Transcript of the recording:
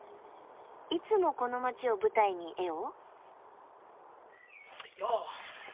いつもこの街を舞台に絵を？